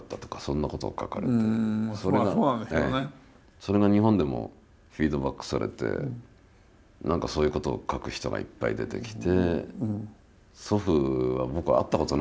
それが日本でもフィードバックされて何かそういうことを書く人がいっぱい出てきて。